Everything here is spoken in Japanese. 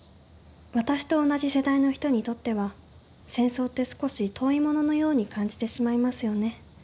私と同じ世代の人にとっては「戦争」って少し遠いもののように感じてしまいますよね？